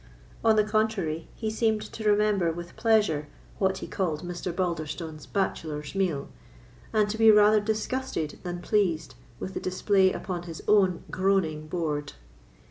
On the contrary, he seemed to remember with pleasure what he called Mr. Balderstone's bachelor's meal, and to be rather disgusted than pleased with the display upon his own groaning board.